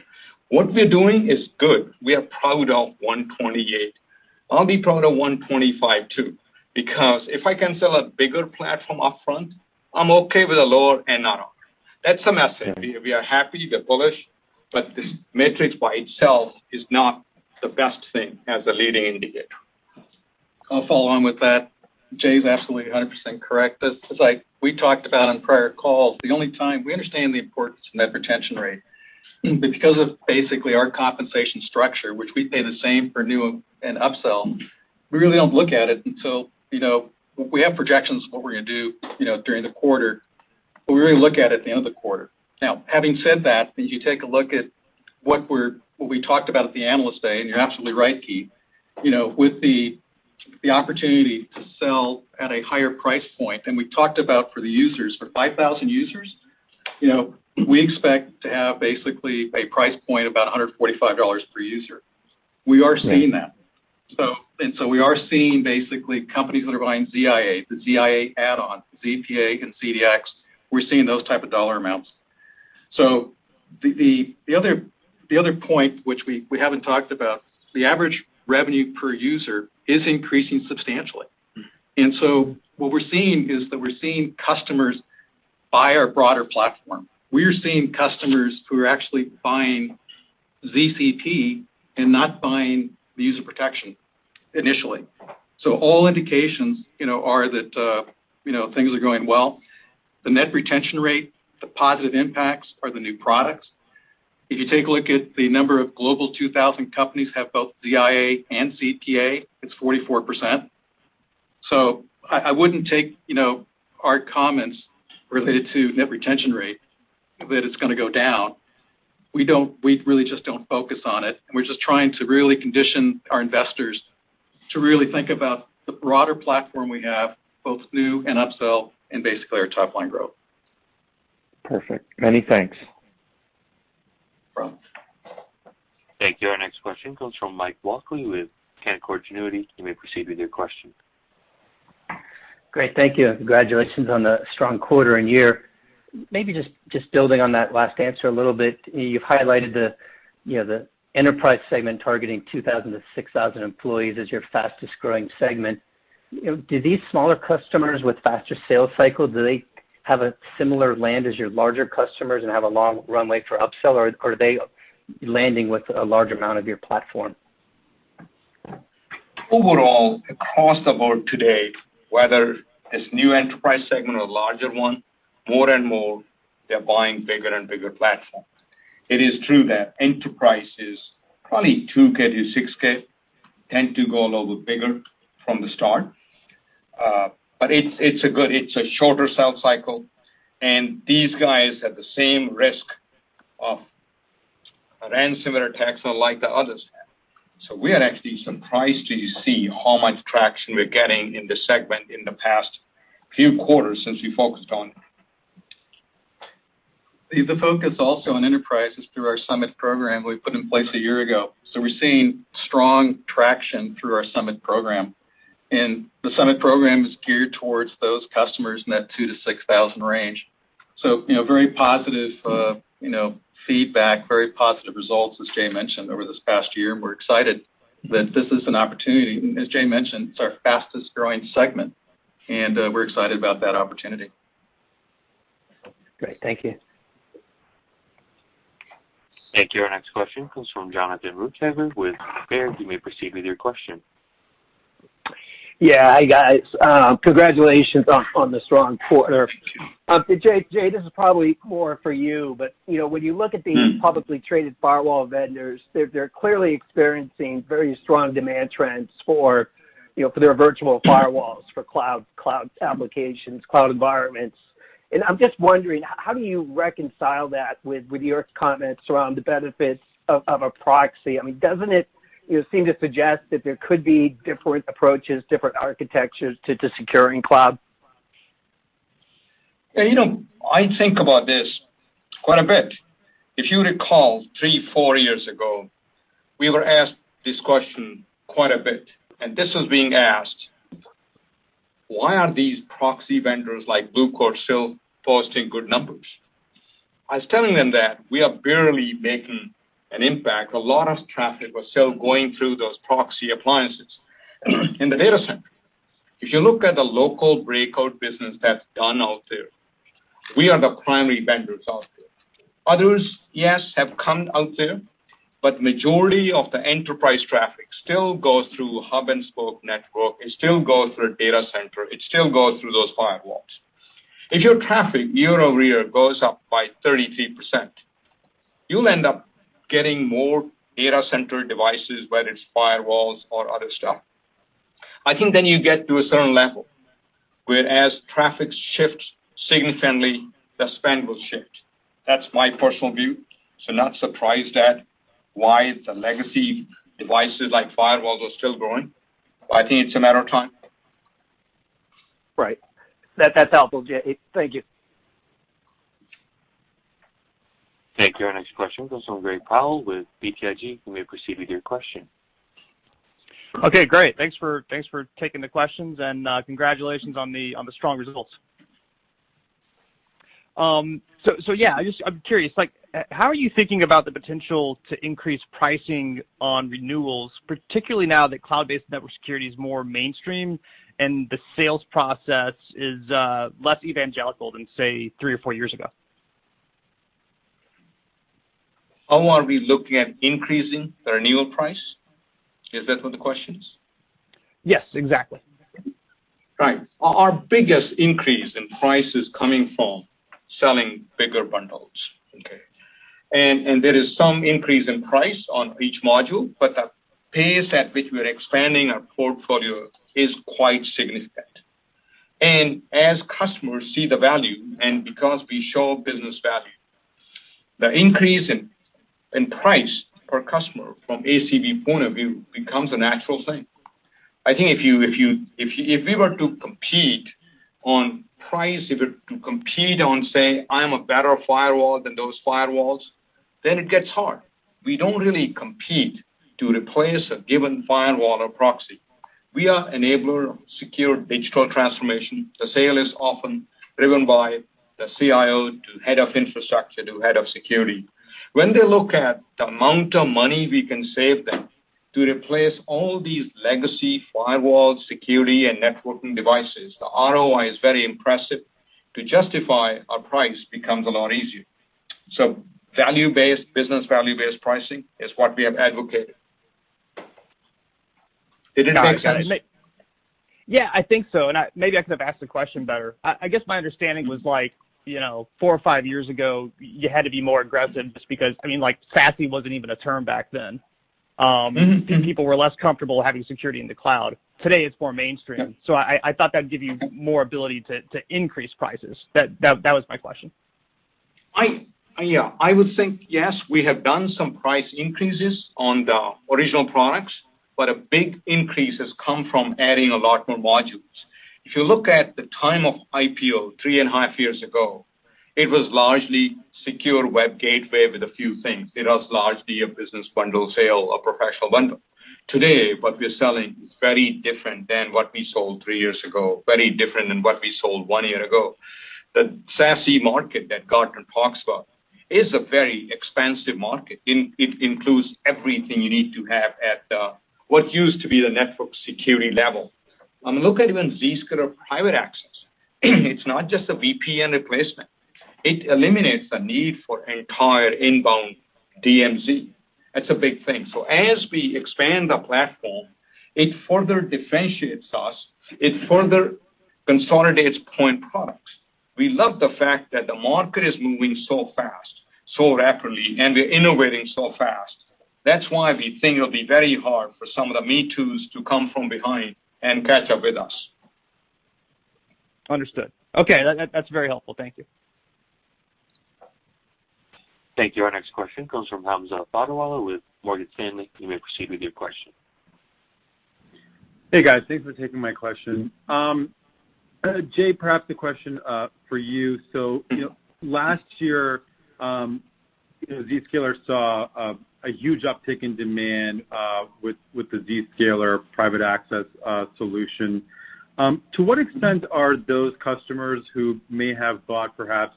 What we're doing is good. We are proud of 128%. I'll be proud of 125% too, because if I can sell a bigger platform up front, I'm okay with a lower NRR. That's the message. We are happy, we're bullish. This metric by itself is not the best thing as a leading indicator. I'll follow on with that. Jay's absolutely 100% correct. This is like we talked about on prior calls, we understand the importance of net retention rate. Because of basically our compensation structure, which we pay the same for new and upsell, we really don't look at it until we have projections of what we're going to do during the quarter, but we really look at it at the end of the quarter. Having said that, if you take a look at what we talked about at the Analyst Day, and you're absolutely right, Keith. With the opportunity to sell at a higher price point than we talked about for the users. For 5,000 users, we expect to have basically a price point about $145 per user. We are seeing that. We are seeing basically companies that are buying ZIA, the ZIA add-on, ZPA and ZDX, we're seeing those type of dollar amounts. The other point which we haven't talked about, the average revenue per user is increasing substantially. What we're seeing is that we're seeing customers buy our broader platform. We are seeing customers who are actually buying ZCP and not buying the user protection initially. All indications are that things are going well. The net retention rate, the positive impacts are the new products. If you take a look at the number of Global 2000 companies have both ZIA and ZPA, it's 44%. I wouldn't take our comments related to net retention rate that it's going to go down. We really just don't focus on it, and we're just trying to really condition our investors to really think about the broader platform we have, both new and upsell, and basically our top-line growth. Perfect. Many thanks. No problem. Thank you. Our next question comes from Mike Walkley with Canaccord Genuity. You may proceed with your question. Great, thank you, and congratulations on the strong quarter and year. Maybe just building on that last answer a little bit. You've highlighted the enterprise segment targeting 2,000 to 6,000 employees as your fastest-growing segment. Do these smaller customers with faster sales cycle, do they have a similar land as your larger customers and have a long runway for upsell, or are they landing with a large amount of your platform? Overall, across the board today, whether it's new enterprise segment or larger one, more and more, they're buying bigger and bigger platform. It is true that enterprise is probably 2,000-6,000 tend to go a little bigger from the start. It's a shorter sales cycle, and these guys have the same risk of a ransomware attack, so like the others. We are actually surprised to see how much traction we're getting in this segment in the past few quarters since we focused on. The focus also on enterprise is through our Summit Program we put in place one year ago. We're seeing strong traction through our Summit Program, and the Summit Program is geared towards those customers in that 2000-6,000 range. Very positive feedback, very positive results, as Jay mentioned, over this past year, and we're excited that this is an opportunity. As Jay mentioned, it's our fastest-growing segment, and we're excited about that opportunity. Great. Thank you. Thank you. Our next question comes from Jonathan Ruykhaver with Baird. You may proceed with your question. Yeah. Hi, guys. Congratulations on the strong quarter. Jay, this is probably more for you. When you look at the publicly traded firewall vendors, they're clearly experiencing very strong demand trends for their virtual firewalls for cloud applications, cloud environments. I'm just wondering, how do you reconcile that with your comments around the benefits of a proxy? Doesn't it seem to suggest that there could be different approaches, different architectures to securing cloud? I think about this quite a bit. If you recall, three, four years ago, we were asked this question quite a bit, and this was being asked: Why are these proxy vendors like Blue Coat still posting good numbers? I was telling them that we are barely making an impact. A lot of traffic was still going through those proxy appliances in the data center. If you look at the local breakout business that's done out there, we are the primary vendors out there. Others, yes, have come out there, but majority of the enterprise traffic still goes through hub-and-spoke network. It still goes through a data center. It still goes through those firewalls. If your traffic year-over-year goes up by 33%, you'll end up getting more data center devices, whether it's firewalls or other stuff. I think you get to a certain level, whereas traffic shifts significantly, the spend will shift. That's my personal view. Not surprised at why the legacy devices like firewalls are still growing. I think it's a matter of time. Right. That's helpful, Jay. Thank you. Thank you. Our next question comes from Gray Powell with BTIG. You may proceed with your question. Okay, great. Thanks for taking the questions, and congratulations on the strong results. I'm curious, how are you thinking about the potential to increase pricing on renewals, particularly now that cloud-based network security is more mainstream and the sales process is less evangelical than, say, three or four years ago? How are we looking at increasing the renewal price? Is that what the question is? Yes, exactly. Right. Our biggest increase in price is coming from selling bigger bundles. Okay. There is some increase in price on each module, but the pace at which we're expanding our portfolio is quite significant. As customers see the value, and because we show business value, the increase in price per customer from ACV point of view becomes a natural thing. I think if we were to compete on price, if we're to compete on, say, I'm a better firewall than those firewalls, then it gets hard. We don't really compete to replace a given firewall or proxy. We are enabler of secure digital transformation. The sale is often driven by the CIO to head of infrastructure, to head of security. When they look at the amount of money we can save them to replace all these legacy firewall security and networking devices, the ROI is very impressive. To justify our price becomes a lot easier. Value-based business, value-based pricing is what we have advocated. Yeah, I think so. Maybe I could have asked the question better. I guess my understanding was four or five years ago, you had to be more aggressive just because, SASE wasn't even a term back then. People were less comfortable having security in the cloud. Today, it's more mainstream. I thought that'd give you more ability to increase prices. That was my question. I would think, yes, we have done some price increases on the original products, but a big increase has come from adding a lot more modules. If you look at the time of IPO three and a half years ago, it was largely secure web gateway with a few things. It was largely a business bundle sale, a professional bundle. Today, what we're selling is very different than what we sold three years ago, very different than what we sold one year ago. The SASE market that Gartner talks about is a very expansive market. It includes everything you need to have at what used to be the network security level. Look at even Zscaler Private Access. It's not just a VPN replacement. It eliminates the need for entire inbound DMZ. That's a big thing. As we expand the platform, it further differentiates us. It further consolidates point products. We love the fact that the market is moving so fast, so rapidly, and we're innovating so fast. That's why we think it'll be very hard for some of the me-toos to come from behind and catch up with us. Understood. Okay, that's very helpful. Thank you. Thank you. Our next question comes from Hamza Fodderwala with Morgan Stanley. You may proceed with your question. Hey, guys. Thanks for taking my question. Jay, perhaps the question for you. Last year, Zscaler saw a huge uptick in demand with the Zscaler Private Access solution. To what extent are those customers who may have bought perhaps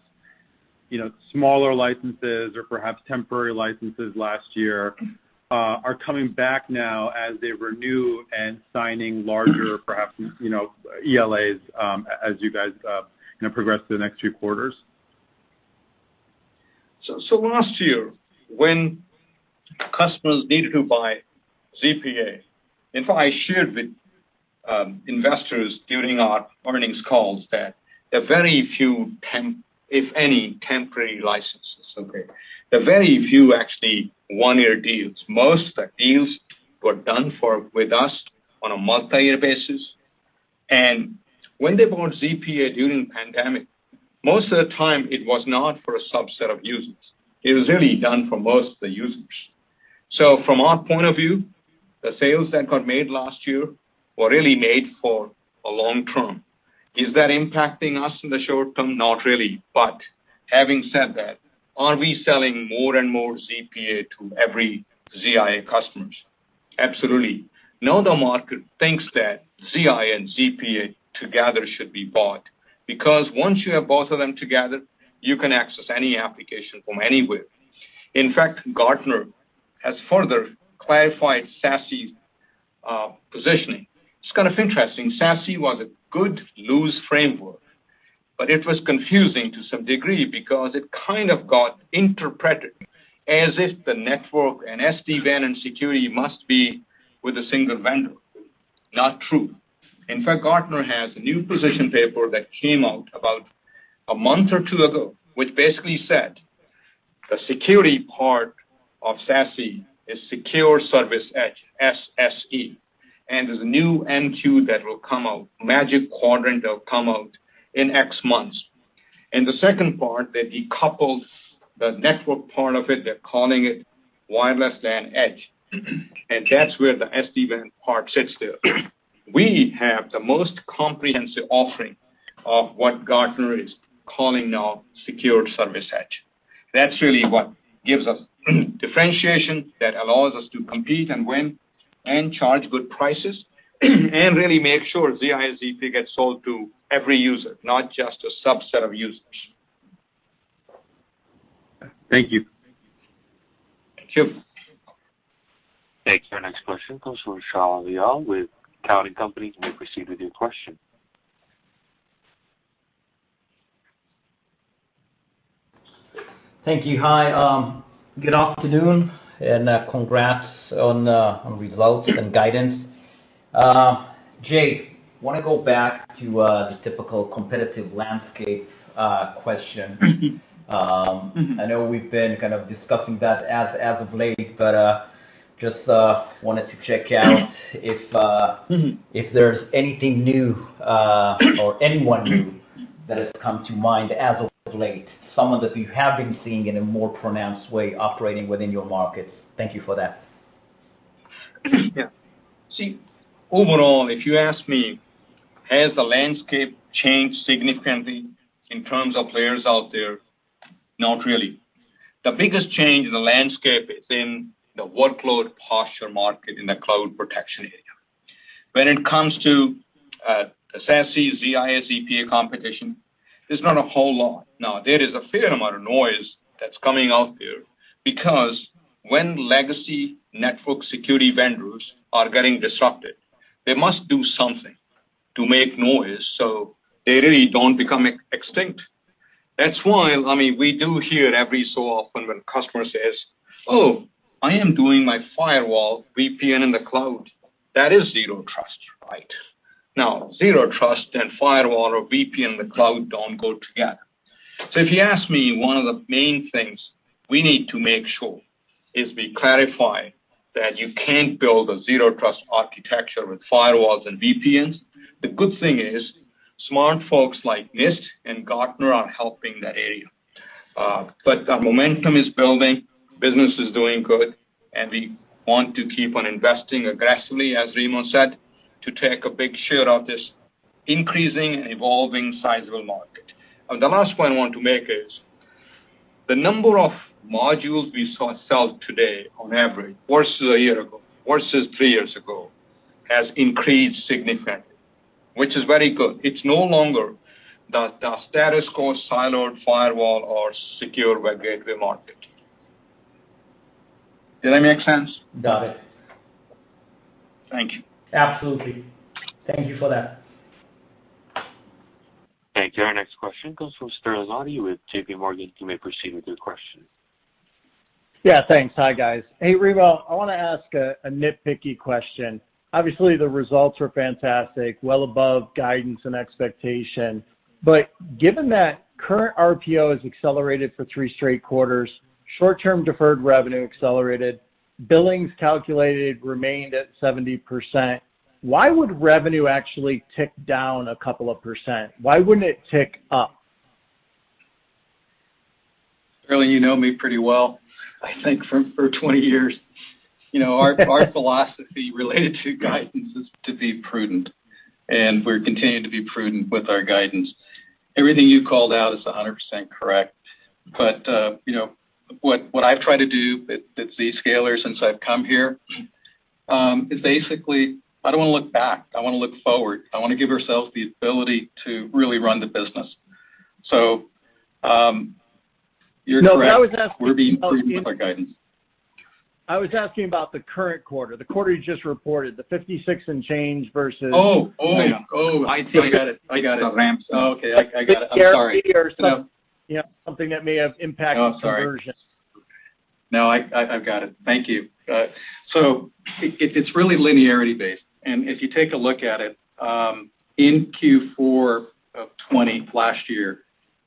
smaller licenses or perhaps temporary licenses last year are coming back now as they renew and signing larger, perhaps, ELAs as you guys progress through the next few quarters? Last year, when customers needed to buy ZPA, in fact, I shared with investors during our earnings calls that there are very few, if any, temporary licenses. Okay. There are very few actually one year deals. Most deals got done with us on a multi-year basis. When they bought ZPA during the pandemic, most of the time it was not for a subset of users. It was really done for most of the users. From our point of view, the sales that got made last year were really made for a long term. Is that impacting us in the short term? Not really. Having said that, are we selling more and more ZPA to every ZIA customers? Absolutely. Now the market thinks that ZIA and ZPA together should be bought, because once you have both of them together, you can access any application from anywhere. In fact, Gartner has further clarified SASE positioning. It's kind of interesting. SASE was a good loose framework, it was confusing to some degree because it kind of got interpreted as if the network and SD-WAN and security must be with a single vendor. Not true. In fact, Gartner has a new position paper that came out about a month or two ago, which basically said the security part of SASE is Security Service Edge, SSE, there's a new MQ that will come out, Magic Quadrant that will come out in X months. The second part, they decoupled the network part of it. They're calling it WAN Edge Infrastructure. That's where the SD-WAN part sits there. We have the most comprehensive offering of what Gartner is calling now Security Service Edge. That's really what gives us differentiation, that allows us to compete and win and charge good prices and really make sure ZIA gets sold to every user, not just a subset of users. Thank you. Thank you. Thank you. Our next question comes from Shaul Eyal with Cowen and Company. You may proceed with your question. Thank you. Hi, good afternoon, congrats on the results and guidance. Jay, I want to go back to the typical competitive landscape question. I know we've been kind of discussing that as of late, just wanted to check out if there's anything new or anyone new that has come to mind as of late, someone that you have been seeing in a more pronounced way operating within your markets. Thank you for that. Yeah. See, overall, if you ask me, has the landscape changed significantly in terms of players out there? Not really. The biggest change in the landscape is in the workload posture market in the cloud protection area. When it comes to SASE, ZIA, ZPA competition, there's not a whole lot. Now, there is a fair amount of noise that's coming out there because when legacy network security vendors are getting disrupted, they must do something to make noise so they really don't become extinct. That's why, we do hear every so often when customer says, oh, I am doing my firewall VPN in the cloud. That is zero trust, right? Now, zero trust and firewall or VPN in the cloud don't go together. If you ask me, one of the main things we need to make sure is we clarify that you can't build a zero trust architecture with firewalls and VPNs. The good thing is smart folks like NIST and Gartner are helping the area. The momentum is building, business is doing good, and we want to keep on investing aggressively, as Remo said, to take a big share of this increasing and evolving sizable market. The last point I want to make is the number of modules we sell today on average versus a year ago, versus three years ago, has increased significantly, which is very good. It's no longer the status quo siloed firewall or secure web gateway market. Did I make sense? Got it. Thank you. Absolutely. Thank you for that. Thank you. Our next question comes from Sterling Auty with JPMorgan. You may proceed with your question. Yeah, thanks. Hi, guys. Hey, Remo, I want to ask a nitpicky question. Obviously, the results were fantastic, well above guidance and expectation. Given that current RPO has accelerated for three straight quarters, short-term deferred revenue accelerated, billings calculated remained at 70%. Why would revenue actually tick down a couple of percent? Why wouldn't it tick up? Sterling, you know me pretty well, I think for 20 years. Our philosophy related to guidance is to be prudent, and we're continuing to be prudent with our guidance. Everything you called out is 100% correct. What I've tried to do at Zscaler since I've come here, is basically, I don't want to look back. I want to look forward. I want to give ourselves the ability to really run the business. You're correct. No, I was asking- We're being prudent with our guidance. I was asking about the current quarter, the quarter you just reported, the $56 and change versus. Oh, oh. I got it. Oh, okay. I got it. I'm sorry. Something that may have impacted conversion. Sorry. No, I've got it. Thank you. It's really linearity based, and if you take a look at it, in Q4 2020 last year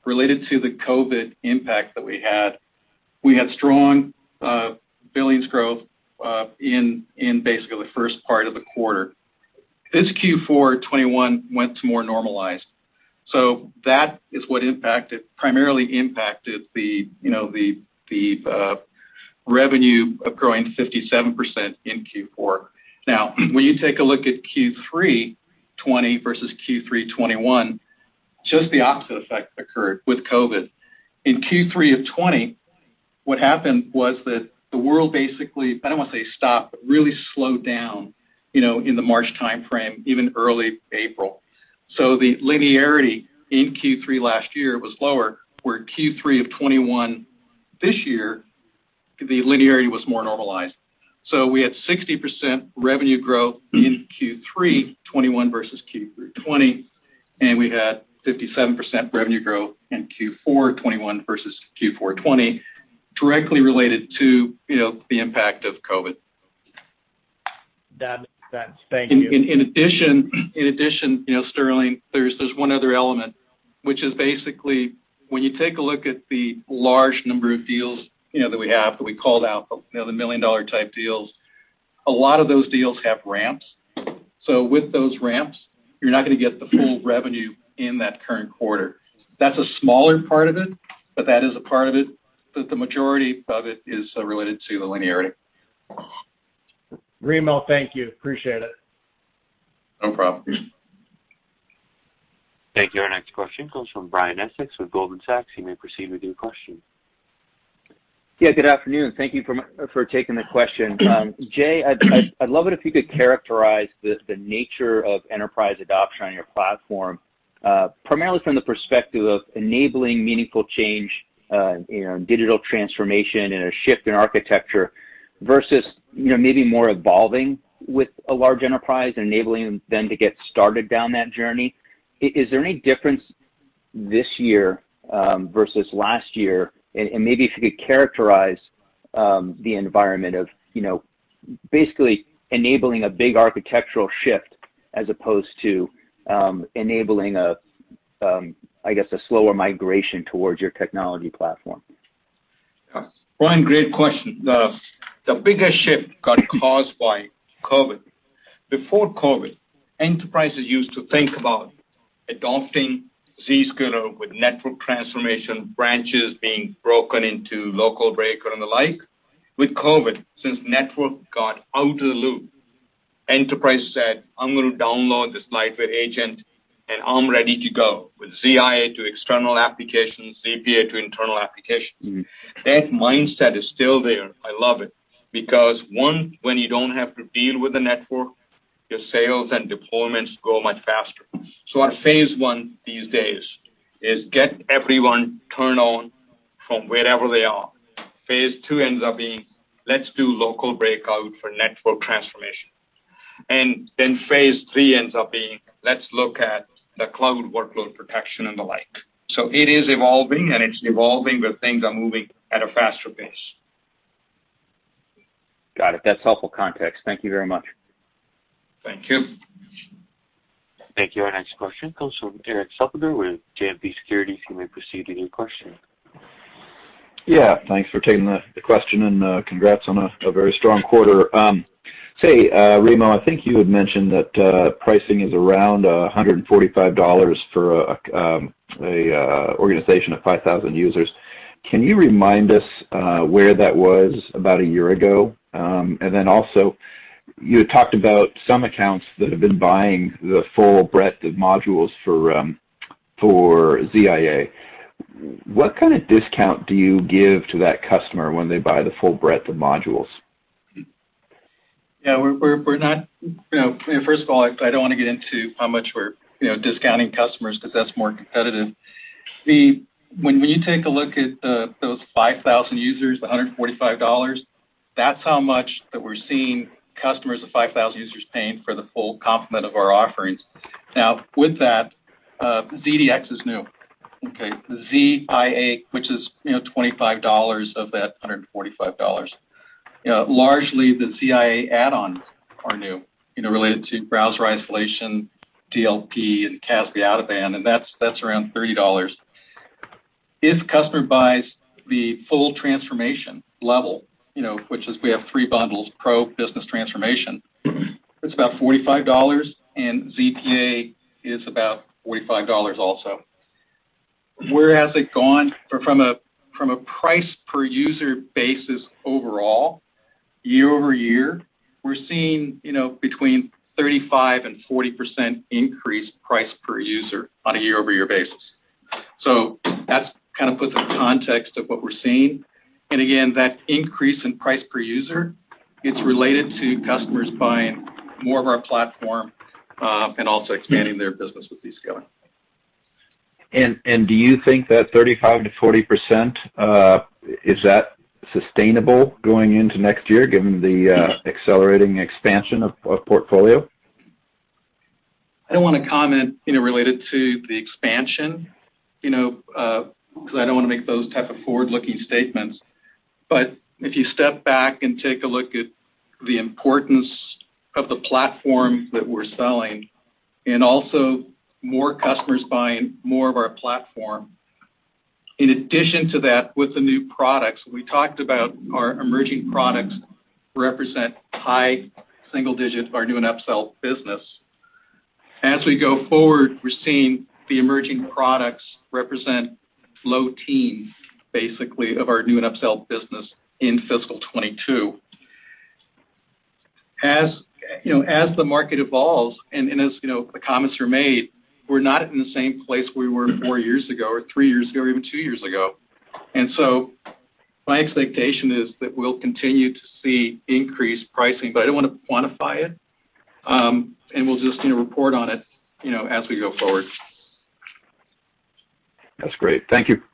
related to the COVID impact that we had. We had strong billings growth in basically the first part of the quarter. This Q4 2021 went to more normalized. That is what primarily impacted the revenue of growing 57% in Q4. When you take a look at Q3 2020 versus Q3 2021, just the opposite effect occurred with COVID. In Q3 of 2020, what happened was that the world basically, I don't want to say stopped, but really slowed down in the March timeframe, even early April. The linearity in Q3 last year was lower. Where Q3 of 2021 this year, the linearity was more normalized. We had 60% revenue growth in Q3 2021 versus Q3 2020, and we had 57% revenue growth in Q4 2021 versus Q4 2020 directly related to the impact of COVID. That makes sense. Thank you. In addition, Sterling, there's one other element, which is basically when you take a look at the large number of deals that we have, that we called out, the million-dollar type deals, a lot of those deals have ramps. With those ramps, you're not going to get the full revenue in that current quarter. That's a smaller part of it, but that is a part of it, but the majority of it is related to the linearity. Remo, thank you. Appreciate it. No problem. Thank you. Our next question comes from Brian Essex with Goldman Sachs. You may proceed with your question. Good afternoon. Thank you for taking the question. Jay, I'd love it if you could characterize the nature of enterprise adoption on your platform, primarily from the perspective of enabling meaningful change in digital transformation and a shift in architecture versus maybe more evolving with a large enterprise and enabling them to get started down that journey. Is there any difference this year versus last year? Maybe if you could characterize the environment of basically enabling a big architectural shift as opposed to enabling, I guess, a slower migration towards your technology platform. Brian, great question. The biggest shift got caused by COVID. Before COVID, enterprises used to think about adopting Zscaler with network transformation, branches being broken into local breakout and the like. With COVID, since network got out of the loop, enterprise said, "I'm going to download this lightweight agent, and I'm ready to go with ZIA to external applications, ZPA to internal applications. That mindset is still there. I love it because, one, when you don't have to deal with the network, your sales and deployments go much faster. Our phase I these days is get everyone turned on from wherever they are, phase II ends up being let's do local breakout for network transformation, phase III ends up being let's look at the Zscaler Cloud Protection and the like. It is evolving, but things are moving at a faster pace. Got it. That's helpful context. Thank you very much. Thank you. Thank you. Our next question comes from Erik Suppiger with JMP Securities. You may proceed with your question. Yeah. Thanks for taking the question and congrats on a very strong quarter. Say, Remo, I think you had mentioned that pricing is around $145 for an organization of 5,000 users. Can you remind us where that was about a year ago? You had talked about some accounts that have been buying the full breadth of modules for ZIA. What kind of discount do you give to that customer when they buy the full breadth of modules? Yeah. First of all, I don't want to get into how much we're discounting customers because that's more competitive. When you take a look at those 5,000 users, the $145, that's how much that we're seeing customers of 5,000 users paying for the full complement of our offerings. With that, ZDX is new. Okay? ZIA, which is $25 of that $145. Largely the ZIA add-ons are new, related to browser isolation, DLP, and CASB out-of-band. That's around $30. If customer buys the full transformation level, which is we have three bundles, pro, business, transformation. It's about $45. ZPA is about $45 also. Where has it gone from a price-per-user basis overall year-over-year? We're seeing between 35%-40% increase price per user on a year-over-year basis. That kind of puts in context of what we're seeing. Again, that increase in price per user, it's related to customers buying more of our platform and also expanding their business with Zscaler. Do you think that 35%-40%, is that sustainable going into next year given the accelerating expansion of portfolio? I don't want to comment related to the expansion because I don't want to make those type of forward-looking statements. If you step back and take a look at the importance of the platform that we're selling, and also more customers buying more of our platform. In addition to that, with the new products, we talked about our emerging products represent high single-digits of our new and upsell business. As we go forward, we're seeing the emerging products represent low-teens, basically, of our new and upsell business in fiscal 2022. As the market evolves and as the comments are made, we're not in the same place we were four years ago or three years ago or even two years ago. My expectation is that we'll continue to see increased pricing, but I don't want to quantify it. We'll just report on it as we go forward. That's great. Thank you. Thank you.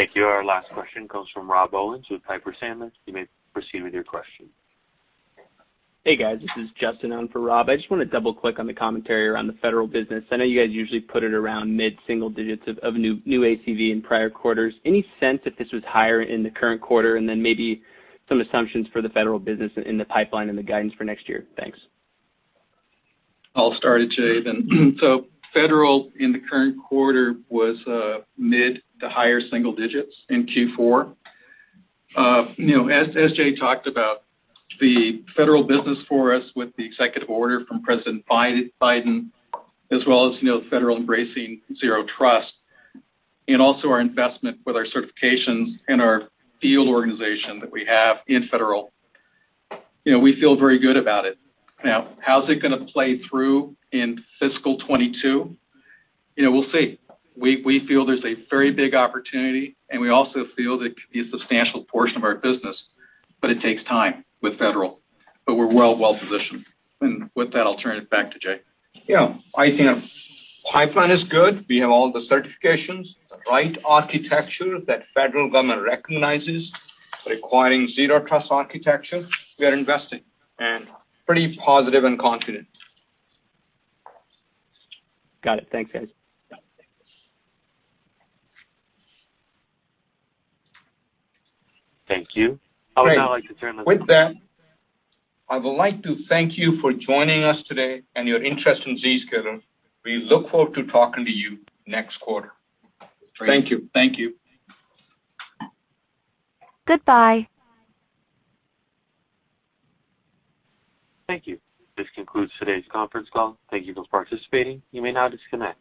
Thank you. Our last question comes from Rob Owens with Piper Sandler. You may proceed with your question. Hey, guys. This is Justin on for Rob. I just want to double-click on the commentary around the federal business. I know you guys usually put it around mid single-digits of new ACV in prior quarters. Any sense if this was higher in the current quarter? Then maybe some assumptions for the federal business in the pipeline and the guidance for next year. Thanks. I'll start it, Jay. Federal in the current quarter was mid to higher single-digits in Q4. As Jay talked about, the Federal business for us with the Executive Order from President Biden, as well as Federal embracing Zero Trust and also our investment with our certifications and our field organization that we have in Federal, we feel very good about it. How's it going to play through in FY 2022? We'll see. We feel there's a very big opportunity, and we also feel that it could be a substantial portion of our business, but it takes time with Federal. We're well positioned. With that, I'll turn it back to Jay. Yeah. I think our pipeline is good. We have all the certifications, the right architecture that Federal Government recognizes requiring zero trust architecture. We are investing, and pretty positive and confident. Got it. Thanks, guys. Yeah. Thank you. I would now like to turn the. With that, I would like to thank you for joining us today and your interest in Zscaler. We look forward to talking to you next quarter. Thank you. Thank you. Thank you. This concludes today's conference call. Thank you for participating. You may now disconnect.